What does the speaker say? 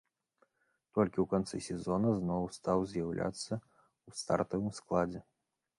Толькі ў канцы сезона зноў стаў з'яўляцца ў стартавым складзе.